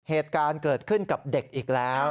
เหตุการณ์เกิดขึ้นกับเด็กอีกแล้ว